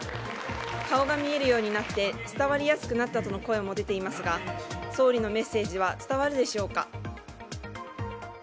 顔が見えるようになって伝わりやすくなったとの声も出ていますが総理のメッセージは伝わるでしょうか。